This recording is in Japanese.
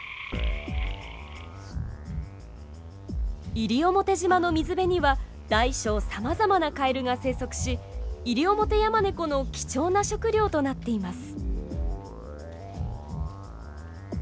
西表島の水辺には大小さまざまなカエルが生息しイリオモテヤマネコの貴重な食料となっています。